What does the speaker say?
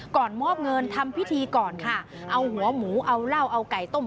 ก่อนมอบเงินทำพิธีก่อนค่ะเอาหัวหมูเอาเหล้าเอาไก่ต้ม